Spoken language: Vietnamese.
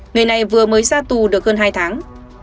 người này vừa mới ra tù được hơn hai tháng